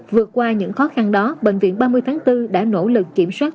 vượt qua những khó khăn đó bệnh viện ba mươi tháng bốn đã nỗ lực kiểm soát